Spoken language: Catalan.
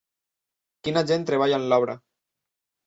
Quina gent treballa en l'obra!